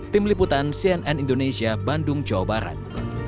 tim liputan cnn indonesia bandung jawa barat